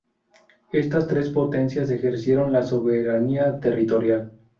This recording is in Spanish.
Estas tres potencias ejercieron la soberanía territorial.